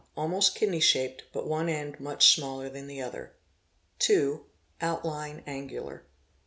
Almost kidney shaped, but one end much smaller than the other. 2. Outline angular.